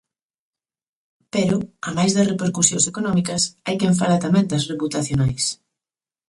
Pero, amais das repercusións económicas, hai quen fala tamén das reputacionais.